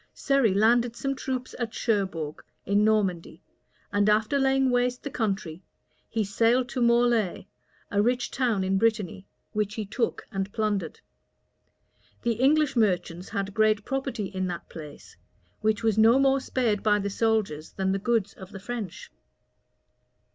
Surrey landed some troops at Cherbourg, in Normandy; and after laying waste the country, he sailed to Morlaix, a rich town in Brittany, which he took and plundered. The English merchants had great property in that place, which was no more spared by the soldiers than the goods of the French.